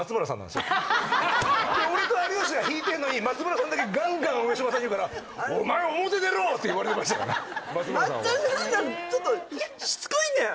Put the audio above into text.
俺と有吉が引いてんのに松村さんだけガンガン上島さんに言うからって言われてましたから松村さんはちょっとしつこいんだよ